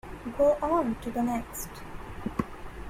Go on to the next!